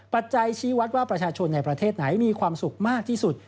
ปัจจัยชี้วัดว่าประชาชนในประเทศไหนมีความสุขมากที่สุด